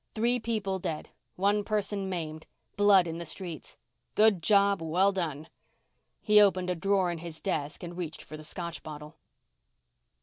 Three people dead. One person maimed. Blood in the streets. Good job well done. He opened a drawer of his desk and reached for the Scotch bottle.